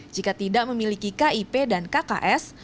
jika tidak memiliki kip dan kks